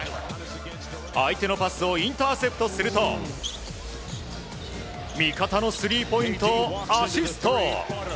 相手のパスをインターセプトすると味方のスリーポイントをアシスト！